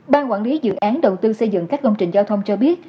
ban quản lý dự án đầu tư xây dựng các công trình giao thông cho biết